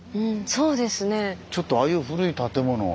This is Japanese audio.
そうですね。